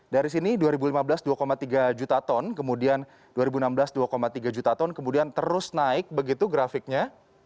dari sini dua ribu lima belas dua tiga juta ton kemudian dua ribu enam belas dua tiga juta ton kemudian terus naik begitu grafiknya